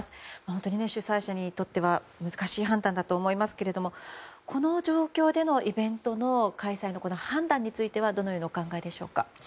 本当に主催者にとっては難しい判断だと思いますがこの状況でのイベントの開催の判断についてはどのようにお考えですか？